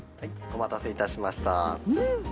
お待たせいたしました。